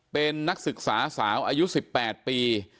เป็นนักศึกษาสาวอายุ๑๘ปี